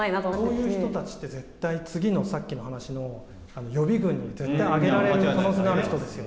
こういう人たちって絶対さっきの話の予備軍に絶対上げられる可能性がある人たちですよね。